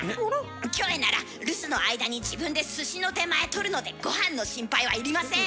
キョエなら留守の間に自分ですしの出前取るのでごはんの心配は要りません。